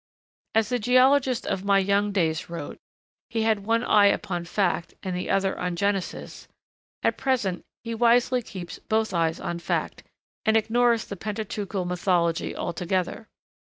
As the geologist of my young days wrote, he had one eye upon fact, and the other on Genesis; at present, he wisely keeps both eyes on fact, and ignores the pentateuchal mythology altogether.